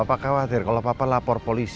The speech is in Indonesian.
hai papa khawatir kalau papa lapor polisi